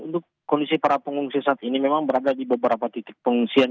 untuk kondisi para pengungsi saat ini memang berada di beberapa titik pengungsian